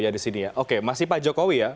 ya disini ya oke masih pak jokowi ya